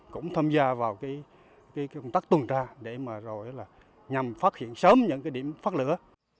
cũng tham gia vào công tác tuần tra để nhằm phát hiện sớm những điểm phát lửa